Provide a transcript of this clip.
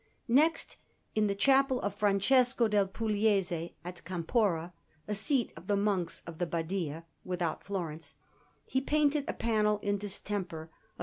Next, in the Chapel of Francesco del Pugliese at Campora, a seat of the Monks of the Badia, without Florence, he painted a panel in distemper of S.